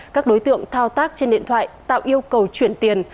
các đối tượng thao tác trên điện thoại tạo yêu cầu chuyển tiền